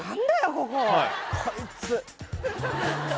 こここいつ。